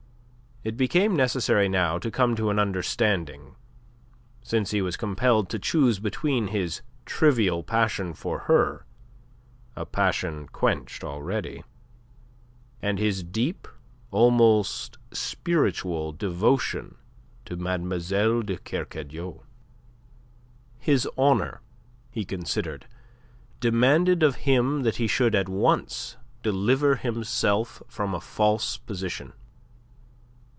It became necessary now to come to an understanding, since he was compelled to choose between his trivial passion for her a passion quenched already and his deep, almost spiritual devotion to Mademoiselle de Kercadiou. His honour, he considered, demanded of him that he should at once deliver himself from a false position.